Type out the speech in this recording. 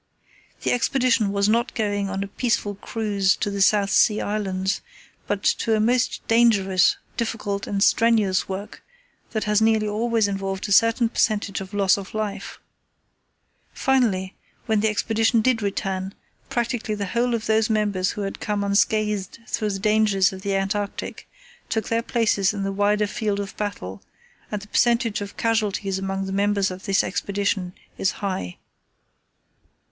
The Expedition was not going on a peaceful cruise to the South Sea Islands, but to a most dangerous, difficult, and strenuous work that has nearly always involved a certain percentage of loss of life. Finally, when the Expedition did return, practically the whole of those members who had come unscathed through the dangers of the Antarctic took their places in the wider field of battle, and the percentage of casualties amongst the members of this Expedition is high.